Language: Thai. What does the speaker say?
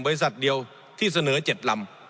บริษัทเดียวที่เสนอ๗ลำ